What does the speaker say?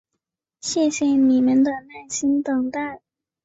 谢谢你们的耐心等候！